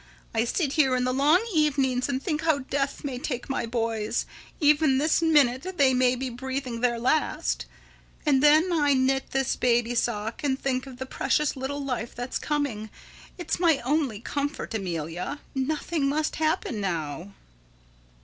I sit here in the long evenings and think how death may take my boys, even this minute they may be breathing their last, and then I knit this baby sock and think of the precious little life that's coming. It's my one comfort, Amelia. Nothing must happen now.